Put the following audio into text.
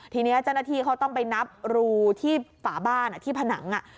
ทีนี้เจ้าหน้าที่เขาต้องไปนับรูที่ฝาบ้านที่ผนัง